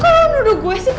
kau genug berkempen